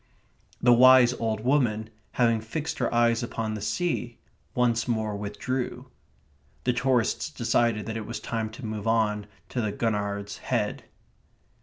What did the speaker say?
The wise old woman, having fixed her eyes upon the sea, once more withdrew. The tourists decided that it was time to move on to the Gurnard's Head.